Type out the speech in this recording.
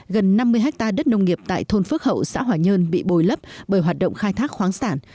gần năm mươi hectare đất nông nghiệp tại thôn phước hậu xã hòa nhơn bị bồi lấp bởi hoạt động khai thác khoáng sản